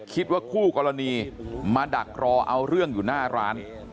คิดว่าคู่กรณีมาดักรอเอาเรื่องอยู่หน้าร้าน